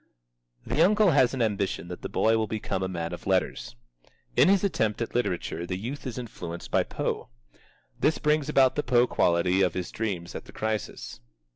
The uncle has an ambition that the boy will become a man of letters. In his attempts at literature the youth is influenced by Poe. This brings about the Poe quality of his dreams at the crisis.